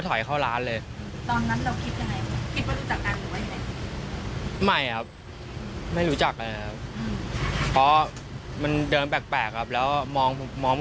ถอยเข้าร้านเลยไม่รู้จักมันเดินแปลกครับแล้วมองมอง